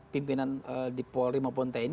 pimpinan dipolri maupun tni